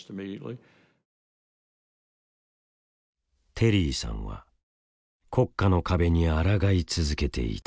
テリーさんは国家の壁にあらがい続けていた。